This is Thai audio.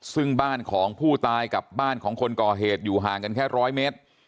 ซึ่งบ้านของผู้ตายกับบ้านของคนก่อเหตุอยู่ห่างกันแค่๑๐๐เมตร